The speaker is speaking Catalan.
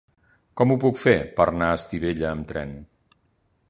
Com ho puc fer per anar a Estivella amb tren?